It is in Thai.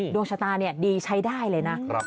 ดวงชะตาดีใช้ได้เลยนะ